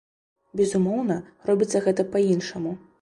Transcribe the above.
Безумоўна, робіцца гэта па-іншаму.